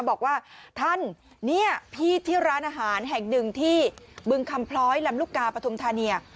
บอกว่าท่านเนี่ยพี่ที่ร้านอาหารแห่งหนึ่งที่บึงคำพล้อยลำลูกกาปฐุมธานี